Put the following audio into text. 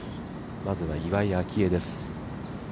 まずは岩井明愛です。